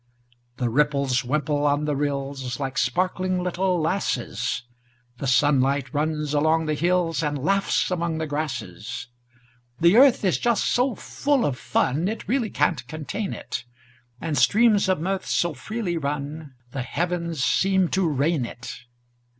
The ripples wimple on the rills, Like sparkling little lasses; The sunlight runs along the hills, And laughs among the grasses. The earth is just so full of fun It really can't contain it; And streams of mirth so freely run The heavens seem to rain it.